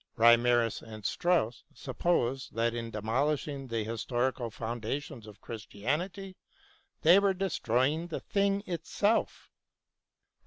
Reimarus and Strauss supposed that in demolishing the historical foundations of Christianity they were destroying the thing itself.